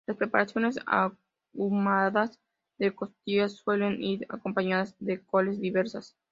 Las preparaciones ahumadas de costillas suelen ir acompañadas de coles diversas.